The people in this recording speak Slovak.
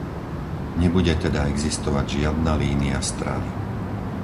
Nebude teda existovať žiadna línia strany.